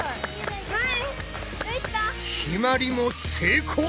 ひまりも成功！